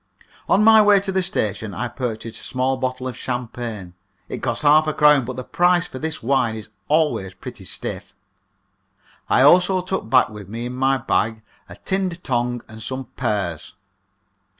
On my way to the station I purchased a small bottle of champagne, it cost half a crown, but the price for this wine is always pretty stiff. I also took back with me in my bag a tinned tongue and some pears.